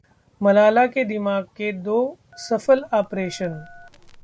मलाला के दिमाग के दो सफल आपरेशन